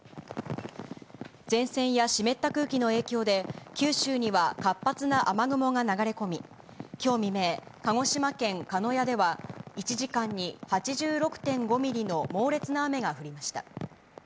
前線や湿った空気の影響で、九州には活発な雨雲が流れ込み、きょう未明、鹿児島県鹿屋では１時間に８６．５ミリの猛烈な雨が降りました。